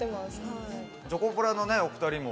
チョコプラのお２人も。